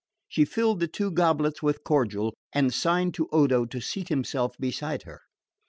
She filled the two goblets with cordial and signed to Odo to seat himself beside her.